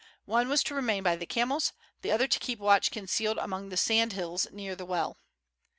One was to remain by the camels, the other to keep watch concealed among the sand hills near the well.